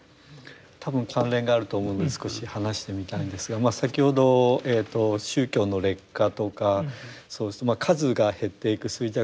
多分関連があると思うので少し話してみたいんですが先ほどえと宗教の劣化とかそうするとまあ数が減っていく衰弱していく。